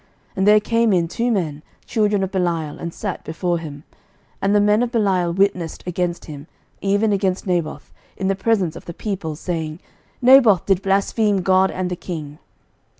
11:021:013 And there came in two men, children of Belial, and sat before him: and the men of Belial witnessed against him, even against Naboth, in the presence of the people, saying, Naboth did blaspheme God and the king.